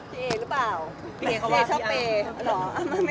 เปลี่ยนหรือเปล่า